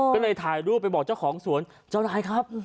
ก็เลยถ่ายรูปไปบอกเจ้าของสวนเจ้านายครับ